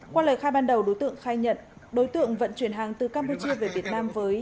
qua lời khai ban đầu đối tượng khai nhận đối tượng vận chuyển hàng từ campuchia về việt nam với